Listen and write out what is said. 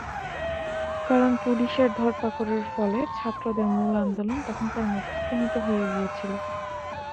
কারণ, পুলিশের ধরপাকড়ের ফলে ছাত্রদের মূল আন্দোলন তখনকার মতো স্তিমিত হয়ে গিয়েছিল।